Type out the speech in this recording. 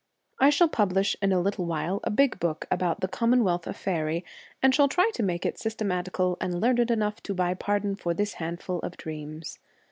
I shall publish in a little while a big book about the commonwealth of faery, and shall try to make it systematical and learned enough to buy pardon for this handful of dreams.